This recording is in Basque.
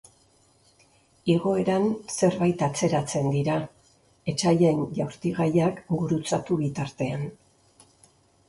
Igoeran zerbait atzeratzen dira, etsaien jaurtigaiak gurutzatu bitartean.